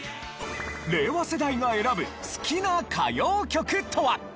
令和世代が選ぶ好きな歌謡曲とは？